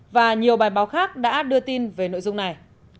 và nhiều bài báo khác đã đưa tin về nội dung này